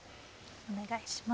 お願いします。